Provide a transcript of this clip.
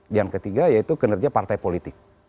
yang ketiga ya itu kinerja partai politik